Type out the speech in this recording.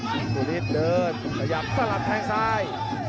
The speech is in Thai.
ครับตัวลิสต์เดินขยับสลับแทนซ้าย